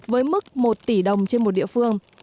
với mức một tỷ đồng trên một địa phương